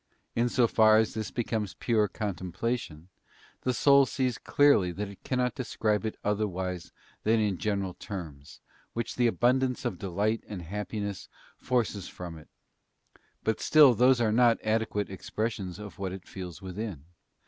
In so far as this becomes pure Contemplation, the soul sees clearly that it cannot describe it otherwise than in general terms, which the abundance of delight and happiness forces from it; but still those are not adequate expressions of what it feels within.